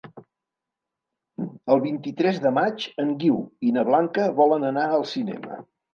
El vint-i-tres de maig en Guiu i na Blanca volen anar al cinema.